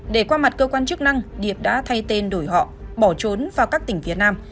để qua mặt cơ quan chức năng điệp đã thay tên đổi họ bỏ trốn vào các tỉnh phía nam